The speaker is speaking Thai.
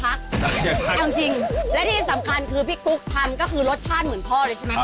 อยากจะพักเอาจริงแล้วที่สำคัญคือพี่กุ๊กทันก็คือรสชาติเหมือนพ่อเลยใช่ไหมครับ